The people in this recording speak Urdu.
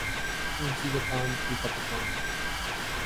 اونچی دکان پھیکا پکوان